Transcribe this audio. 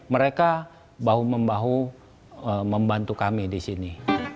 mereka bahu membahu membantu kami di sini